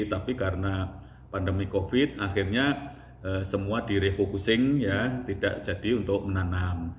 tapi karena pandemi covid akhirnya semua direfocusing ya tidak jadi untuk menanam